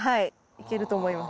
いけると思います。